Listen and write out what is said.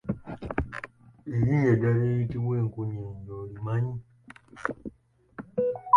Erinnya eddala eriyitibwa enkuyege olimanyi?